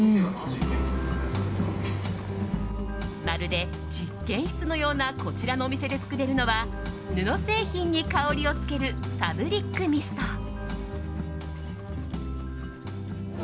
まるで実験室のようなこちらのお店で作れるのは布製品に香りをつけるファブリックミスト。